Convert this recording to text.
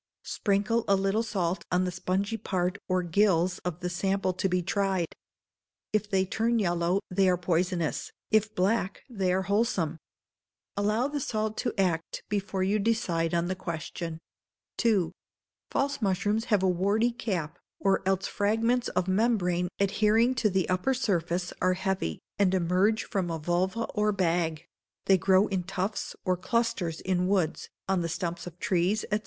Sprinkle a little salt on the spongy part or gills of the sample to be tried. If they turn yellow, they are poisonous, if black, they are wholesome. Allow the salt to act, before you decide on the question. ii. False mushrooms have a warty cap, or else fragments of membrane, adhering to the upper surface, are heavy, and emerge from a vulva or bag; they grow in tufts or clusters in woods, on the stumps of trees, &c.